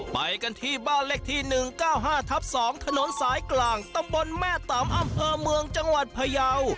ไปกันที่บ้านเลขที่๑๙๕ทับ๒ถนนสายกลางตำบลแม่ตำอำเภอเมืองจังหวัดพยาว